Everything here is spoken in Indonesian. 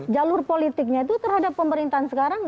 jalur politiknya itu terhadap pemerintahan sekarang